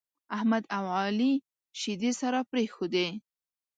احمد او عالي شيدې سره پرېښودې.